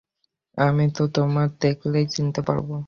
আমি তো তোমায় দেখলেই চিনতে পারবো।